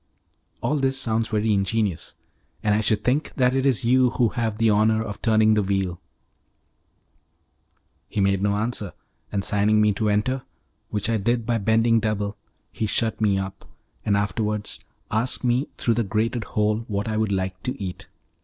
"All this sounds very ingenious, and I should think that it is you who have the honour of turning the wheel." He made no answer, and signing to me to enter, which I did by bending double, he shut me up, and afterwards asked me through the grated hole what I would like to eat.